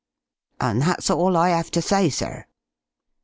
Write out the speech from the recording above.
And that's all I 'ave to say, sir."